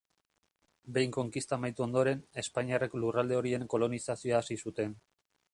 Behin konkista amaitu ondoren, espainiarrek lurralde horien kolonizazioa hasi zuten.